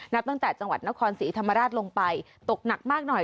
ตั้งแต่จังหวัดนครศรีธรรมราชลงไปตกหนักมากหน่อย